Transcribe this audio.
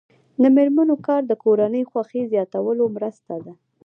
د میرمنو کار د کورنۍ خوښۍ زیاتولو مرسته ده.